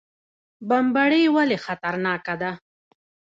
بمبړې ولې خطرناکه ده؟